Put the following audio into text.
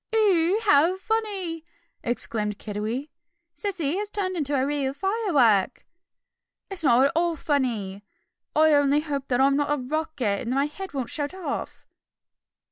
"Oough, how funny!" exclaimed Kiddiwee, "Cece has turned into a real firework." "It's not at all funny. I only hope I'm not a rocket, and that my head won't shoot off!"